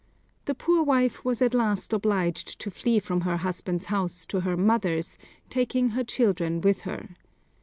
The poor wife was at last obliged to flee from her husband's house to her mother's, taking her children with her.